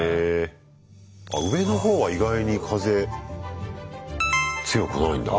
あ上の方は意外に風強くないんだな。